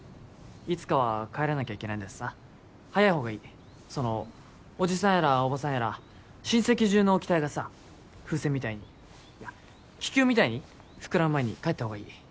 いつかは帰らなきゃいけないんだしさ早い方がいいその叔父さんやら叔母さんやら親戚中の期待がさ風船みたいにいや気球みたいに膨らむ前に帰った方がいい